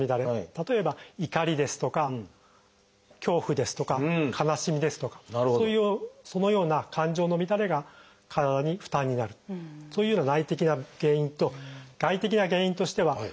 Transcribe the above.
例えば「怒り」ですとか「恐怖」ですとか「悲しみ」ですとかそのような感情の乱れが体に負担になるそういうような内的な原因と外的な原因としては外部環境の変化。